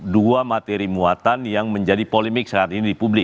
dua materi muatan yang menjadi polemik saat ini di publik